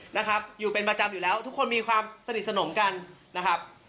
นะครับอยู่เป็นประจำอยู่แล้วทุกคนมีความสนิทสนมกันนะครับ